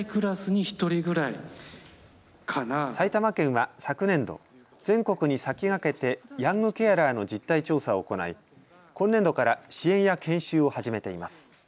埼玉県は昨年度、全国に先駆けてヤングケアラーの実態調査を行い、今年度から支援や研修を始めています。